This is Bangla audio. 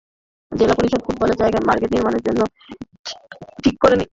জেলা পরিষদ ফুটপাতের জায়গায় মার্কেট নির্মাণের জন্য ইজারা দিয়ে ঠিক করেনি।